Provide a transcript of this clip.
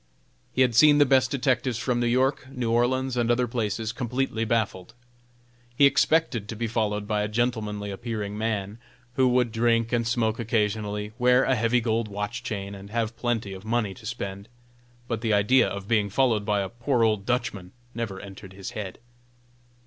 He had seen the best detectives from New York, New Orleans and other places completely baffled. He expected to be followed by a gentlemanly appearing man, who would drink and smoke occasionally, wear a heavy gold watch chain, and have plenty of money to spend; but the idea of being followed by a poor old Dutchman never entered his head.